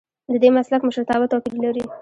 ددې مسلک مشرتابه توپیر لري.